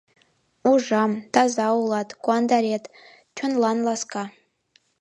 — Ужам, таза улат, куандарет — чонлан ласка.